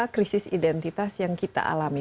krisis identitas yang kita alami